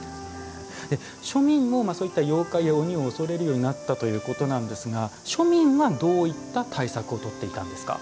庶民もそういった妖怪や鬼を恐れるようになったということですが庶民はどういった対策をとっていたんですか？